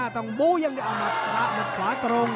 ทราบดีขวาตรง